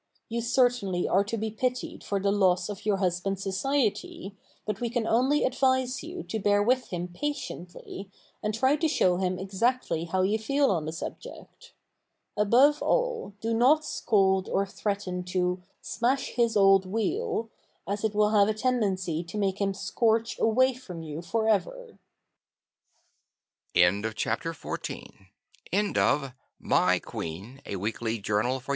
You certainly are to be pitied for the loss of your husband's society, but we can only advise you to bear with him patiently and try to show him exactly how you feel on the subject. Above all, do not scold or threaten to "smash his old wheel," as it will have a tendency to make him "scorch" away from you forever. MY QUEEN A Weekly Journal FOR